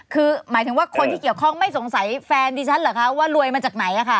คือหมายถึงว่าคนที่เกี่ยวข้องไม่สงสัยแฟนดีฉันเหรอคะ